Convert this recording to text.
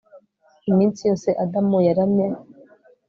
Iminsi yose Adamu yaramye